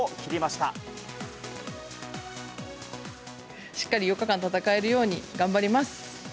しっかり４日間戦えるように頑張ります。